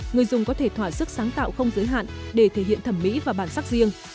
người dùng có thể thỏa sức sáng tạo không giới hạn để thể hiện thẩm mỹ và bản sắc riêng